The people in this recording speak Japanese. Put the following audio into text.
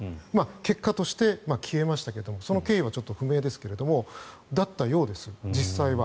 結果として消えましたがその経緯はちょっと不明ですが実際はそうだったようです。